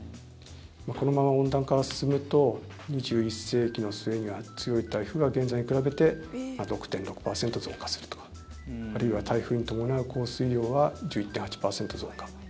このまま温暖化が進むと２１世紀の末には強い台風が現在に比べて６．６％増加するとあるいは台風に伴う降水量は１１．８％増加